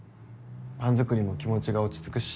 パン作りも気持ちが落ち着くし。